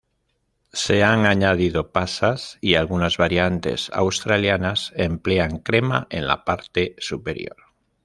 Se han añadido pasas y algunas variantes australianas emplean crema en la parte superior.